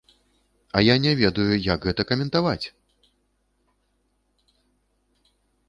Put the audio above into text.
А я не ведаю, як гэта каментаваць!